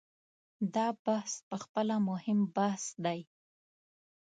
دا بحث په خپله مهم بحث دی.